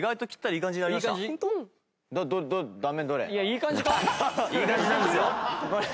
いい感じなんですよ。